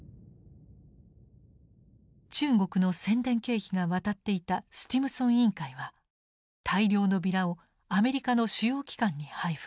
中国の宣伝経費が渡っていたスティムソン委員会は大量のビラをアメリカの主要機関に配布。